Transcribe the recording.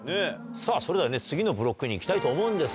さぁそれではね次のブロックにいきたいと思うんですが。